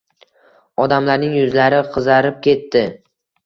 Odamlarning yuzlari qizarib ketdi.